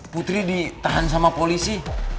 putri ditahan sama polisi